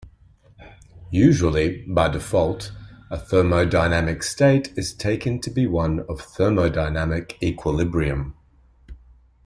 Usually, by default, a thermodynamic state is taken to be one of thermodynamic equilibrium.